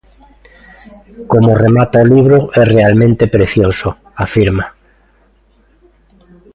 "Como remata o libro é realmente precioso", afirma.